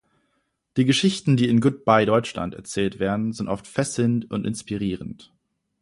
Die Geschichten, die in "Goodbye Deutschland" erzählt werden, sind oft fesselnd und inspirierend.